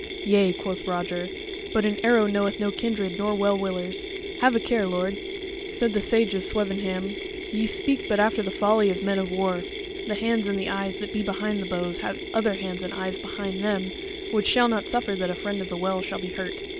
"Yea," quoth Roger, "but an arrow knoweth no kindred nor well willers: have a care, lord." Said the Sage of Swevenham: "Ye speak but after the folly of men of war; the hands and the eyes that be behind the bows have other hands and eyes behind them which shall not suffer that a Friend of the Well shall be hurt."